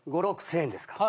５，０００６，０００円ですか。